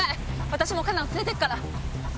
私も佳奈を連れてくから。